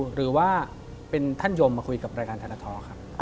หรือว่าเป็นท่านยมมาคุยกับรายการธนทรครับ